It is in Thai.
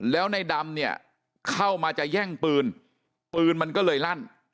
แล้วในดำเนี่ยเข้ามาจะแย่งปืนปืนมันก็เลยลั่น